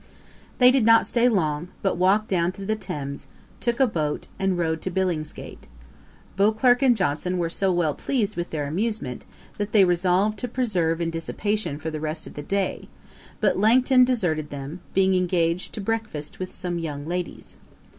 ' They did not stay long, but walked down to the Thames, took a boat, and rowed to Billingsgate. Beauclerk and Johnson were so well pleased with their amusement, that they resolved to persevere in dissipation for the rest of the day: but Langton deserted them, being engaged to breakfast with some young Ladies.